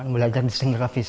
belajar desain grafis